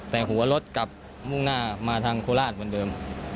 แต่หัวรถกลับมุ่งหน้ามาทางโคราชเหมือนเดิม